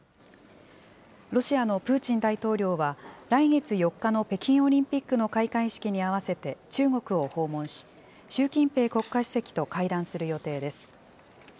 ロシアのプーチン大統領は、来月４日の北京オリンピックの開会式に合わせて中国を訪問し、習近平国家主席と会談する予定です。